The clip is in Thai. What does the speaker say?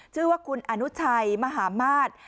ชื่อว่าคุณอนุชัยมหามาศ